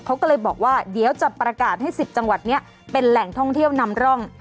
เขาก็เลยบอกว่าเดี๋ยวจะประกาศให้๑๐จังหวัดนี้เป็นแหล่งท่องเที่ยวนำร่อง